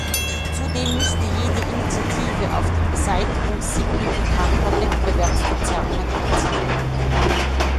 Zudem müsste jede Initiative auf die Beseitigung signifikanter Wettbewerbsverzerrungen abzielen.